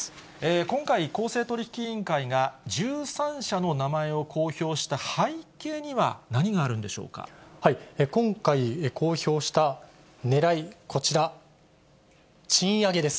今回、公正取引委員会が１３社の名前を公表した背景には、何があるんで今回、公表したねらい、こちら、賃上げです。